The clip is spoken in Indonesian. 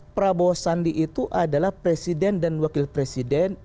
prabowo sandi itu adalah presiden dan wakil presiden